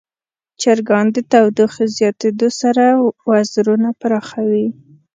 چرګان د تودوخې زیاتیدو سره وزرونه پراخوي.